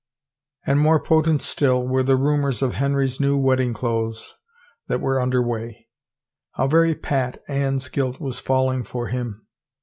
And more potent still were 349 THE FAVOR OF KINGS the rumors of Henry's new wedding clothes that were under way. How very pat Anne's guilt was falling for him!